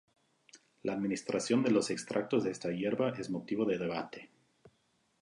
La administración de los extractos de esta hierba es motivo de debate.